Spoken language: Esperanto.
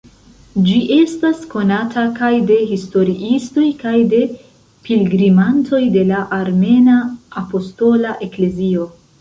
Ĝi estas konata kaj de historiistoj kaj de pilgrimantoj de la Armena Apostola Eklezio.